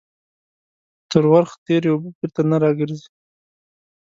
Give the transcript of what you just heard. تر ورخ تيري اوبه بيرته نه راگرځي.